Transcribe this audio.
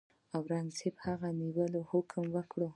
اورنګزېب د هغه د نیولو حکم وکړ.